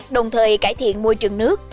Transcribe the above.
đồng thời cải thiện môi trường nước